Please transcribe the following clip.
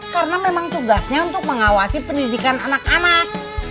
karena memang tugasnya untuk mengawasi pendidikan anak anak